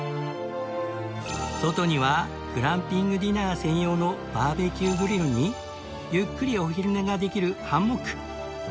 外にはグランピングディナー専用のバーベキューグリルにゆっくりお昼寝ができるハンモック